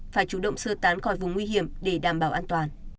phải chủ động sơ tán khỏi vùng nguy hiểm để đảm bảo an toàn